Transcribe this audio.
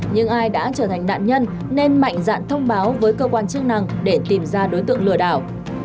nhưng ai đã trở thành nạn nhân nên mạnh dạng thông báo với cơ quan chức năng để tìm ra đối tượng lừa đảo